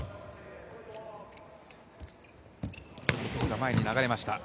前に流れました。